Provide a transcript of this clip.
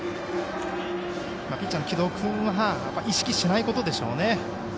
ピッチャーの城戸君は意識しないことでしょうね。